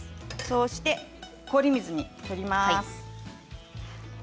そして氷水に取ります。